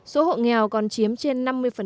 số hộ nghèo còn chiếm trên năm mươi